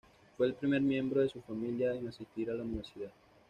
Fue el primer miembro de su familia en asistir a la universidad.